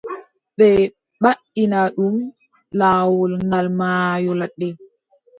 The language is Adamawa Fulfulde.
Ɓe mbaɗina ɗum, laawol gal maayo ladde.